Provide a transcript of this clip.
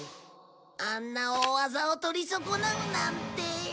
あんな大技を撮り損なうなんて。